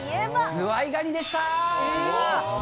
ズワイガニでした！